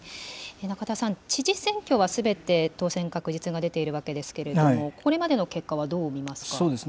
中田さん、知事選挙はすべて、当選確実が出ているわけですけれども、これまでの結果はどう見ますか。